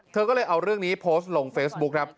เธอก็เลยเอาเรื่องนี้โพสต์ลงเฟซบุ๊คครับ